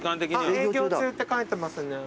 営業中って書いてますね。